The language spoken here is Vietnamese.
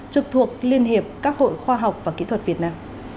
trực thuộc liên hiệp các hội khoa học và kỹ thuật việt nam